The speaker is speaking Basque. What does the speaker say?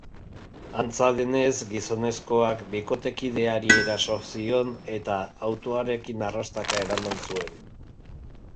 Antza denez, gizonezkoak bikotekideari eraso zion eta autoarekin arrastaka eraman zuen.